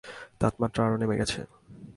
তাপমাত্রা আরো নেমে গেছে।